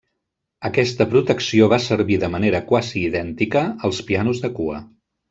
Aquesta protecció va servir de manera quasi idèntica als pianos de cua.